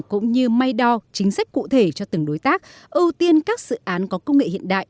cũng như may đo chính sách cụ thể cho từng đối tác ưu tiên các dự án có công nghệ hiện đại